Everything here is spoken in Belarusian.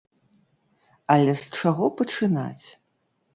Але з чаго пачынаць?